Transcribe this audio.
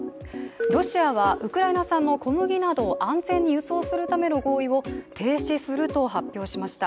ロシアはウクライナ産の小麦などを安全に輸送するための合意を停止すると発表しました。